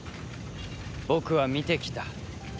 僕は見てきた。